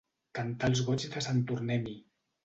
Cantar els goigs de sant Tornem-hi.